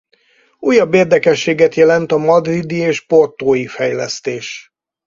Újabb érdekességet jelent a madridi és portói fejlesztés.